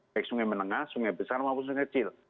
baik sungai menengah sungai besar maupun sungai kecil